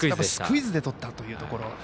スクイズで取ったというところ。